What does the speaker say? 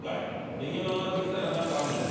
右曲がってきたらなんかあるんだよね。